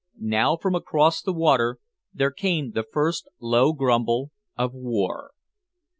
Now from across the water there came the first low grumble of war.